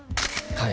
はい